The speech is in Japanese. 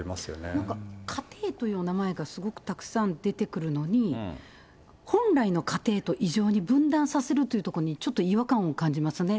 なんか家庭というお名前が、すごくたくさん出てくるのに、本来の家庭と異常に分断させるところに、ちょっと違和感を感じますね。